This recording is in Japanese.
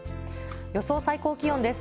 予想最高気温です。